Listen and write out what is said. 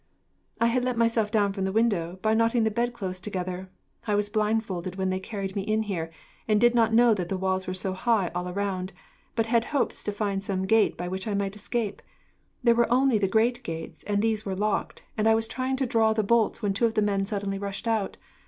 "I had let myself down from the window, by knotting the bedclothes together. I was blindfolded, when they carried me in here, and did not know that the walls were so high all round, but had hoped to find some gate by which I might escape. There were only the great gates, and these were locked; and I was trying to draw the bolts when two of the men suddenly rushed out.